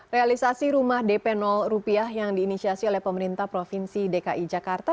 realisasi rumah dp rupiah yang diinisiasi oleh pemerintah provinsi dki jakarta